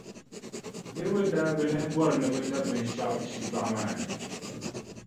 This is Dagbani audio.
Niriba daa bi lahi bɔri ni bɛ da binshɛɣu shitɔɣu maa ni.